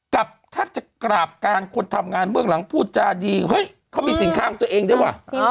กับแทบจะกราบการคนทำงานเบื้องหลังพูดจาดีเฮ้ยเขามีสินค้าของตัวเองด้วยว่ะ